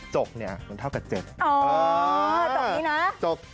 จกเหมือนเท่ากับ๗เออจกนี้นะ